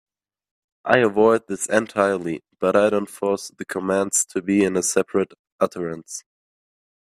I avoid this entirely, but I don't force the commands to be in a separate utterance.